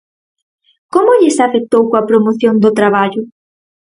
Como lles afectou coa promoción do traballo?